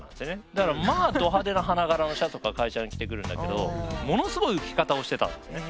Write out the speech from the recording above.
だからまあど派手な花柄のシャツとか会社に着てくるんだけどものすごい浮き方をしてたんですね。